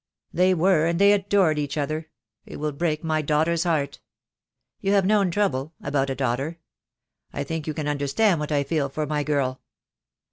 "They were, and they adored each other. It will break my daughter's heart. You have known trouble — about a daughter. I think you can understand what I feel for my girl."